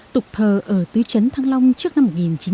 tục thờ ở tư chấn thăng long trước năm một nghìn chín trăm bốn mươi năm